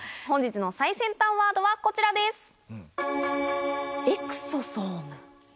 本日の最先端ワードはこちらです。